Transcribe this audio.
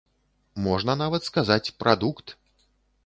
Можна нават сказаць, прадукт.